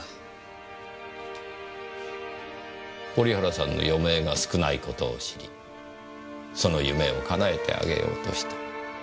織原さんの余命が少ない事を知りその夢を叶えてあげようとした。